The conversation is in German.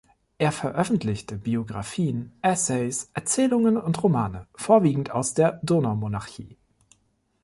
Er veröffentlichte Biographien, Essays, Erzählungen und Romane, vorwiegend aus der Donaumonarchie.